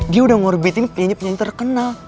dia udah morbitin penyanyi penyanyi terkenal